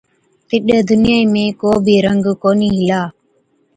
تِڏ دُنِيائِي ۾ ڪو بِي رنگ ڪونهِي هِلا۔